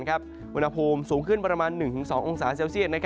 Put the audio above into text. อุณหภูมิสูงขึ้นประมาณ๑๒องศาเซลเซียต